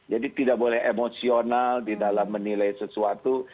jadi tidak boleh emosional di dalam menilai sesuatu